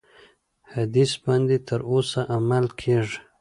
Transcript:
حدیث باندي تر اوسه عمل کیږي.